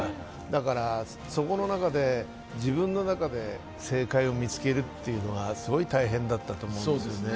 だからそこの中で、自分の中で正解を見つけるというのはすごい大変だったと思うんですね。